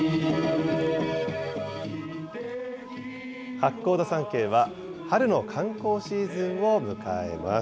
八甲田山系は、春の観光シーズンを迎えます。